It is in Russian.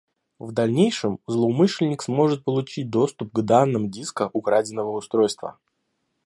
В дальнейшем злоумышленник сможет получить доступ к данным диска украденного устройства